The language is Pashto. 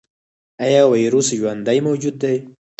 ایا ویروس ژوندی موجود دی؟